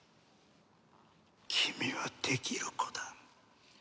君はできる子だ。